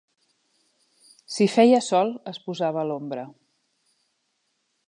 Si feia sol es posava a l'ombra